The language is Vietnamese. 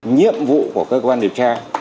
nhiệm vụ của cơ quan điều tra